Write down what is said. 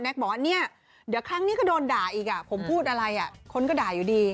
บอกว่าเนี่ยเดี๋ยวครั้งนี้ก็โดนด่าอีกผมพูดอะไรคนก็ด่าอยู่ดี